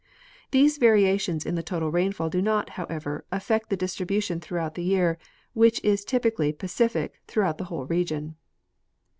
These variations in the total rainfall do not, however, affect the distribution throughout the year, which is typically Pacific throughout the whole region.